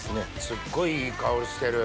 すっごいいい香りしてる！